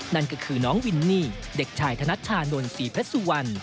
นั่นก็คือน้องวินนี่เด็กชายธนัชชานนท์ศรีเพชรสุวรรณ